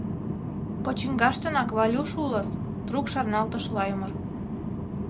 — Почиҥгаштынак Валюш улыс, — трук шарналтыш Лаймыр.